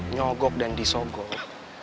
nyogok dan disogok